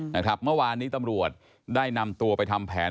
เมื่อวานนี้ตำรวจได้นำตัวไปทำแผน